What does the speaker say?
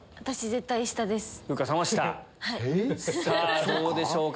さぁどうでしょうか？